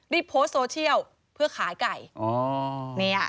โพสต์โซเชียลเพื่อขายไก่